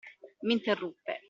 M'interruppe.